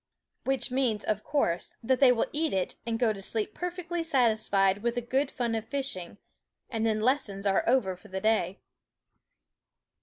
Which means, of course, that they will eat it and go to sleep perfectly satisfied with the good fun of fishing; and then lessons are over for the day.